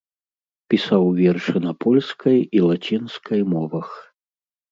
Пісаў вершы на польскай і лацінскай мовах.